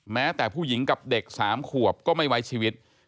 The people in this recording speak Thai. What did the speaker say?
แม้แต่ผู้หญิงกับเด็ก๓ขวบก็ไม่ไว้ชีวิต